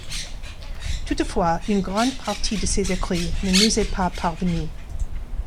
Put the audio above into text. Toutefois, une grande partie de ses écrits ne nous est pas parvenue.